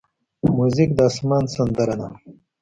موزیک د آسمان سندره ده.